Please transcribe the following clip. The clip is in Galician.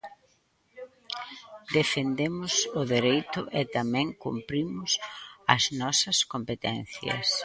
Defendemos o dereito e tamén cumprimos as nosas competencias.